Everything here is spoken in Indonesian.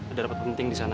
ada rapat penting di sana